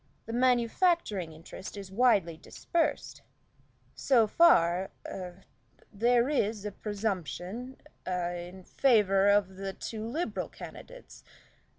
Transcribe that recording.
The manufacturing interest is widely dispersed. So far a there is a presumption a in favor of the two Liberal candidates.